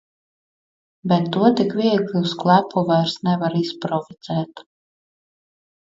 Bet to tik viegli uz klepu vairs nevar izprovocēt.